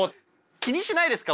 気にしないですか？